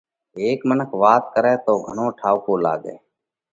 هيڪ منک وات ڪرئه تو گھڻو ٺائُوڪو لاڳئه